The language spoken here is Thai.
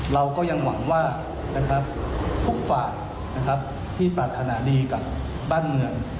เราก็ยังหวังว่าทุกฝ่ายที่ปรารถนาดีกับบ้านเมือง